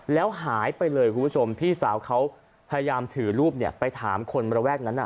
แล้วหายไปเลยคุณผู้ชมพี่สาวเขาพยายามถือรูปไปถามคนระแวกนั้น